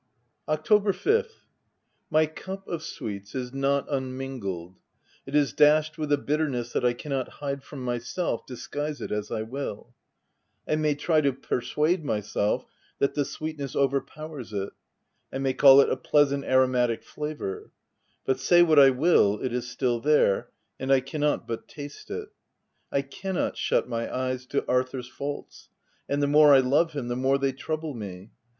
October 5th. — My cup of sweets is not unmingled : it is dashed with a bitterness that I cannot hide from myself, disguise it as I will. I may try to persuade myself that the sweetness overpowers it ; I may call it a pleasant aromatic flavour ; but, say what I will, it is still there, and I cannot but taste it. I cannot shut my eyes to Arthur's faults ; and the more I love him the more they trouble me.